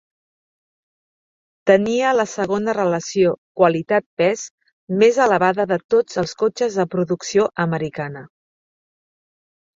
Tenia la segona relació qualitat-pes més elevada de tots els cotxes de producció americana.